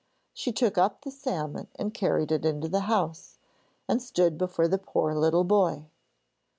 She took up the salmon, and carried it into the house, and stood before the poor little boy.